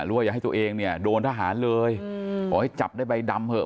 ว่าอย่าให้ตัวเองเนี่ยโดนทหารเลยขอให้จับได้ใบดำเถอะ